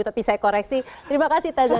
tapi saya koreksi terima kasih taza